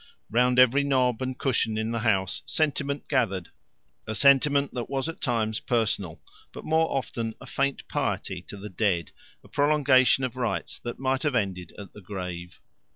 Round every knob and cushion in the house sentiment gathered, a sentiment that was at times personal, but more often a faint piety to the dead, a prolongation of rites that might have ended at the grave.